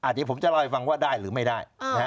เดี๋ยวผมจะเล่าให้ฟังว่าได้หรือไม่ได้